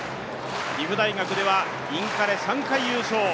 岐阜大学ではインカレ３回優勝。